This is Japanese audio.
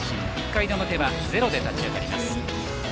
１回の表はゼロで立ち上がります。